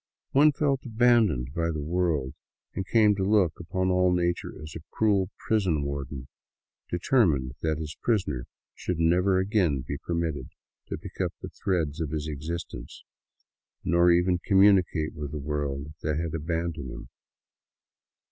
One felt abandoned by the world, and came to look upon all nature as a cruel prison warden determined that his prisoner should never again be permitted to pick up the threads of his existence, nor even communicate with the world that had abandoned him.